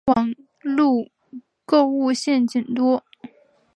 网路购物陷阱多